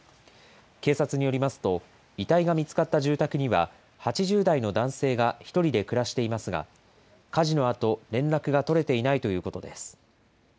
警察によりますと、遺体が見つかった住宅には、８０代の男性が１人で暮らしていますが、家事のあと連絡が取れてないということです。